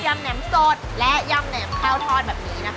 แหนมสดและยำแหมข้าวทอดแบบนี้นะคะ